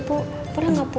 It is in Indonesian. boleh gak bu